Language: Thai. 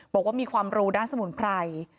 บอกว่ามีความรู้ด้านสมุนไพร